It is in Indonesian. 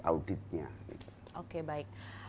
auditnya oke baik